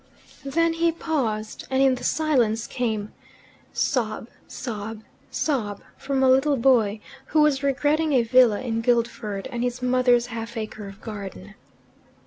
Then he paused, and in the silence came "sob, sob, sob," from a little boy, who was regretting a villa in Guildford and his mother's half acre of garden.